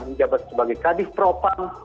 menjabat sebagai kadif propang